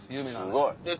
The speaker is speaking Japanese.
すごい。